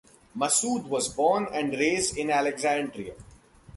Massoud was born and raised in Alexandria.